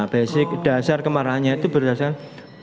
basic dasar kemarahannya itu berdasarkan